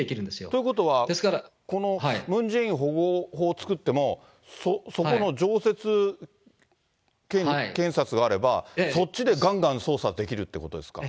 ということはこのムン・ジェイン保護法を作っても、そこの常設検察があれば、そっちでがんがん捜査できるっていうことですか？